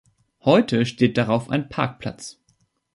Heute steht darauf ein Parkplatz.